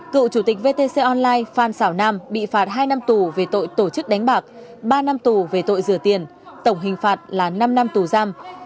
cựu chủ tịch vtc online phan xảo nam bị phạt hai năm tù về tội tổ chức đánh bạc ba năm tù về tội rửa tiền tổng hình phạt là năm năm tù giam